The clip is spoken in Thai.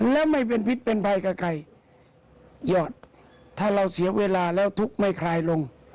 แล้วไม่เป็นพิษเป็นภัยกับใครหยอดถ้าเราเสียเวลาแล้วทุกข์ไม่คลายลง